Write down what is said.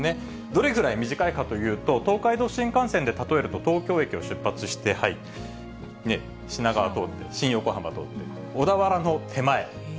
どれぐらい短いかというと、東海道新幹線で例えると、東京駅を出発して、品川通って、新横浜通って、小田原の手前。